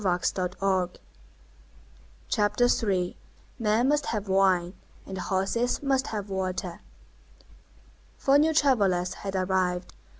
CHAPTER III—MEN MUST HAVE WINE, AND HORSES MUST HAVE WATER Four new travellers had arrived.